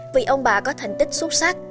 vì ông bà có thành tích xuất sắc